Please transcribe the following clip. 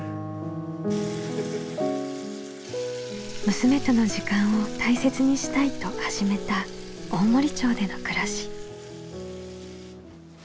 「娘との時間を大切にしたい」と始めた大森町での暮らし。